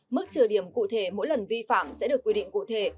mức trừ điểm cụ thể mỗi lần vi phạm sẽ được quy định cụ thể